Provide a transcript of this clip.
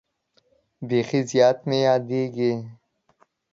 بیخي زیات مې یادېدې.